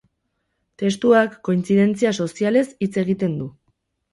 Testuak kointzidentzia sozialez hitz egiten du.